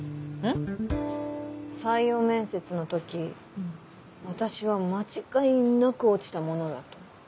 採用面接の時私は間違いなく落ちたものだと。